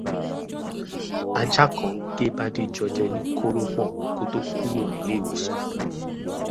Ajá kan gé Bádéjọ jẹ ní kórópọ̀n kó tó kúrò nílé ìwòsàn